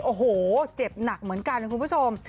โอ้โหเจ็บหนักเหมือนกันนะคุณผู้ชม